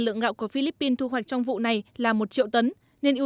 dưới tên gọi chung là catfish